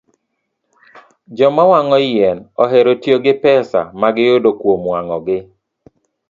Joma wang'o yien ohero tiyo gi pesa ma giyudo kuom wang'ogi.